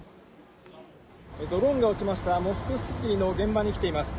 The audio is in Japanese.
ドローンが落ちましたモスクワシティの現場に来ています。